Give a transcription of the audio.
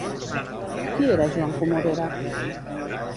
Qui era Joan Comorera?